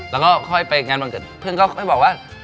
แล้วก็ค่อยไปงานวันเกิดเพื่อนก็ค่อยบอกว่า